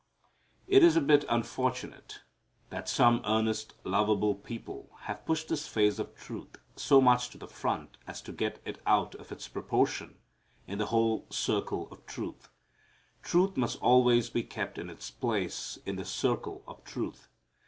It's a bit unfortunate that some earnest, lovable people have pushed this phase of truth so much to the front as to get it out of its proportion in the whole circle of truth. Truth must always be kept in its place in the circle of truth.